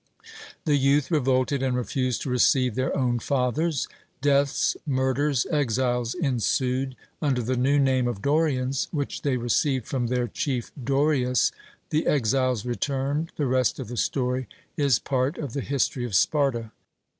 The youth revolted and refused to receive their own fathers; deaths, murders, exiles ensued. Under the new name of Dorians, which they received from their chief Dorieus, the exiles returned: the rest of the story is part of the history of Sparta.